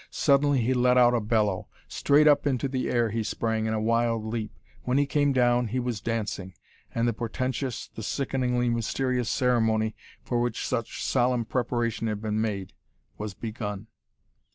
Suddenly he let out a bellow. Straight up into the air he sprang in a wild leap. When he came down, he was dancing, and the portentious, the sickeningly mysterious ceremony for which such solemn preparation had been made, was begun.